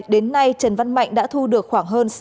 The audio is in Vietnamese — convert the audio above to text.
đến nay trần văn mạnh đã thu được khoảng hơn